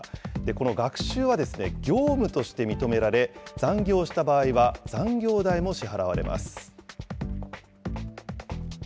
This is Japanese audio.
この学習は、業務として認められ、残業した場合は、残業代も支払われます。